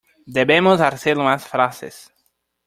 Debemos hacer más frases.